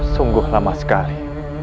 sungguh lama sekali